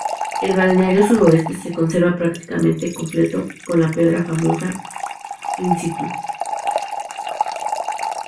El balneario suroeste se conserva prácticamente completo, con la "pedra formosa" "in situ".